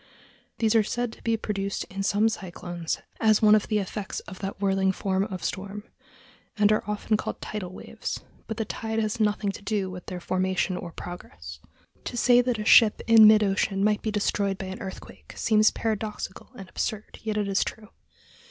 These are said to be produced in some cyclones, as one of the effects of that whirling form of storm, and are often called tidal waves, but the tide has nothing to do with their formation or progress. [Illustration: THE U. S. S. "ONEIDA" AFTER COLLISION WITH A STEAMSHIP.] To say that a ship in mid ocean might be destroyed by an earthquake seems paradoxical and absurd, yet it is true.